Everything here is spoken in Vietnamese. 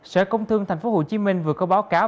sở công thương tp hcm vừa có báo cáo